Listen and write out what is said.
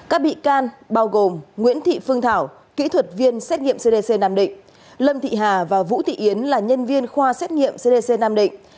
các bị can bao gồm nguyễn thị phương thảo kỹ thuật viên xét nghiệm cdc nam định lâm thị hà và vũ thị yến là nhân viên khoa xét nghiệm cdc nam định